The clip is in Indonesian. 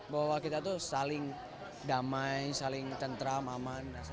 bahwa kita tuh saling damai saling tentram aman